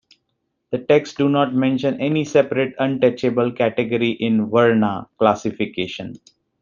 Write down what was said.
The texts do not mention any separate, untouchable category in "varna" classification.